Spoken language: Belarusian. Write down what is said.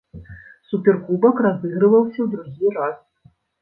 Суперкубак разыгрываўся ў другі раз.